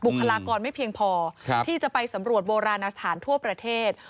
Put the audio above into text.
คลากรไม่เพียงพอที่จะไปสำรวจโบราณสถานทั่วประเทศ